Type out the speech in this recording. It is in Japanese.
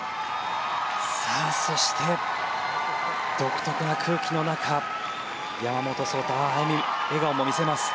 そして、独特な空気の中山本草太は笑顔も見せます。